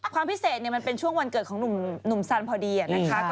ความพิเศษมันเป็นช่วงวันเกิดของหนุ่มสันพอดีนะคะ